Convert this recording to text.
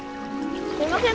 すいません